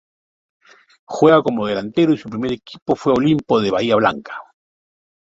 Juega como delantero y su primer equipo fue Olimpo de Bahía Blanca.